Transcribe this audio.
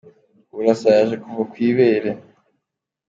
Burasa yaje kuva ku ibere !